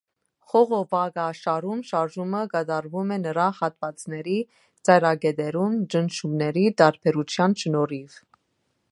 Խողովակաշարում շարժումը կատարվում է նրա հատվածների ծայրակետերում ճնշումների տարբերության շնորհիվ։